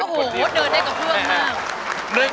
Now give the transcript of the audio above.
โอ้โหเดินได้กับเจ้าแม่ง